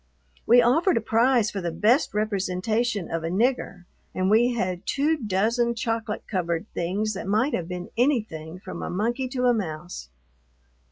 We offered a prize for the best representation of a "nigger," and we had two dozen chocolate covered things that might have been anything from a monkey to a mouse.